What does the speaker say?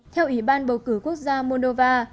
theo ủy ban bầu cử quốc gia moldova